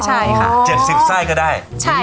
ตัวไอ้ก็ได้